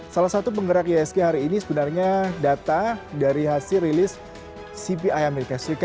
salah satu penggerak isg hari ini sebenarnya data dari hasil rilis cpi as